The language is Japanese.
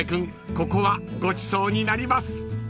ここはごちそうになります］